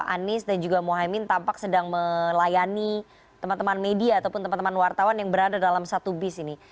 anies dan juga mohaimin tampak sedang melayani teman teman media ataupun teman teman wartawan yang berada dalam satu bis ini